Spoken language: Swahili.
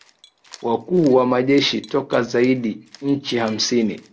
wakuu wa majeshi toka zaidi ya nchi hamsini